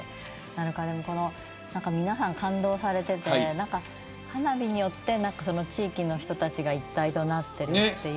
皆さん感動されていて花火によって、地域の人たちが一体となっている。